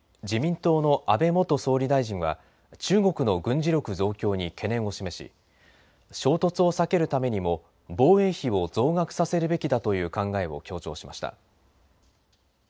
自民党の安倍元総理大臣は中国の軍事力増強に懸念を示し衝突を避けるためにも防衛費を増額させるべきだという考えを強調しました。